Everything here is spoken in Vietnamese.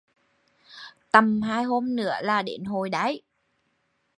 Tầm hai hôm nữa là đến hội đấy